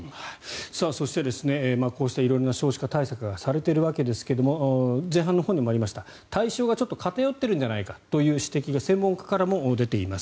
そして、こうした色々な少子化対策がされているわけですが前半のほうにもありました対象がちょっと偏ってるんじゃないかという指摘が専門家からも出ています。